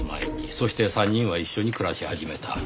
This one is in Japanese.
そして３人は一緒に暮らし始めた。